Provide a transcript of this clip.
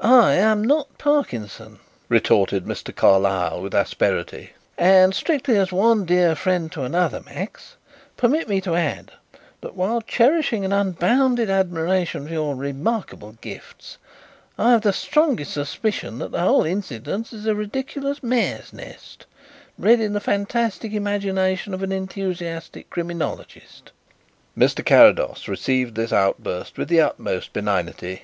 "I am not Parkinson," retorted Mr. Carlyle, with asperity, "and, strictly as one dear friend to another, Max, permit me to add, that while cherishing an unbounded admiration for your remarkable gifts, I have the strongest suspicion that the whole incident is a ridiculous mare's nest, bred in the fantastic imagination of an enthusiastic criminologist." Mr. Carrados received this outburst with the utmost benignity.